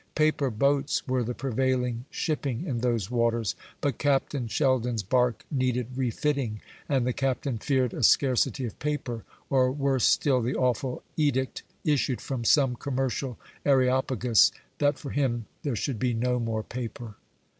Paper boats were the prevailing shipping in those waters; but Captain Sheldon's bark needed refitting, and the captain feared a scarcity of paper, or, worse still, the awful edict issued from some commercial Areopagus that for him there should be no more paper.